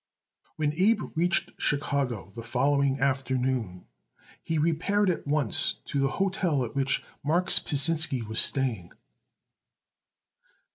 When Abe reached Chicago the following afternoon he repaired at once to the hotel at which Marks Pasinsky was staying.